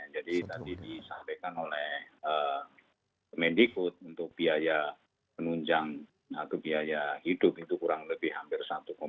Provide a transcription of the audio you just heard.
jadi tadi disampaikan oleh medicode untuk biaya penunjang atau biaya hidup itu kurang lebih hampir satu lima